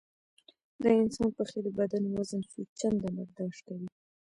د انسان پښې د بدن وزن څو چنده برداشت کوي.